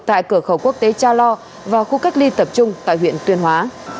tại cửa khẩu quốc tế cha lo và khu cách ly tập trung tại huyện tuyên hóa